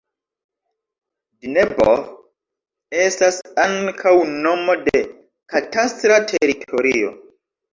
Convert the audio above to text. Dneboh estas ankaŭ nomo de katastra teritorio.